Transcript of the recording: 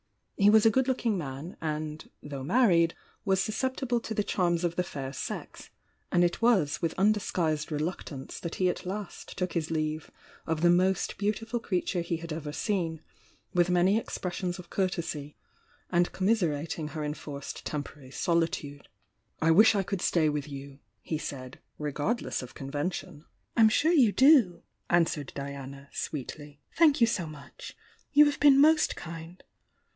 He was a good looking man, and though married, was susceptible to the charms of tiie fair sex, and it was with undisguised reluctance that he at last took his leave of the most beautiful creature he had ever seen, with many expressions of courtesy, and commiserating her enforced tempo rary solitude. "I wish I could stay with you!" he said, regard less of convention. "I'm sure you do!" answered Diana, sweetly. "Thank you so much! You have been most kind!"